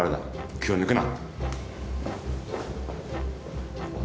気を抜くな！